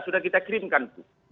sudah kita kirimkan